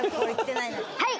はい！